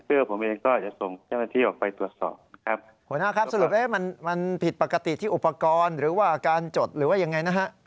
สรุปแล้วมันผิดปกติที่อุปกรณ์หรือว่าการจดหรือว่าอย่างไรนะฮะ